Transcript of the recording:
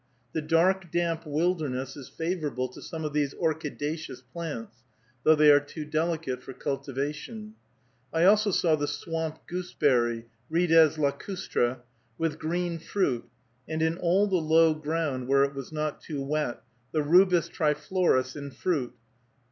The dark, damp wilderness is favorable to some of these orchidaceous plants, though they are too delicate for cultivation. I also saw the swamp gooseberry (Rides lacustre), with green fruit, and in all the low ground, where it was not too wet, the Rubus triflorus in fruit.